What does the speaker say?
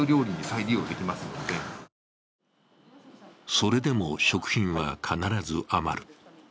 それでも食品は必ず余る。